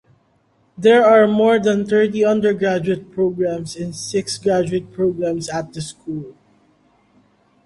There are more than thirty undergraduate programs and six graduate programs at the school.